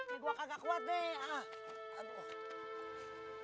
ini gua kagak kuat deh